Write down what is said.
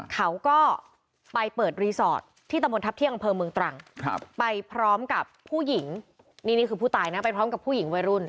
เขาก็ไปเปิดมุธที่อังเภอเมืองตรังท่านพร้อมผู้หญิง